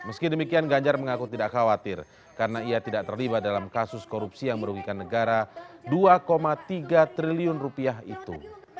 meski demikian ganjar mengaku tidak khawatir karena ia tidak terlibat dalam kasus korupsi yang merugikan negara dua tiga triliun rupiah itu